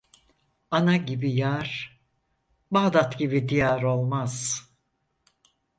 Ana gibi yar Bağdat gibi diyar olmaz.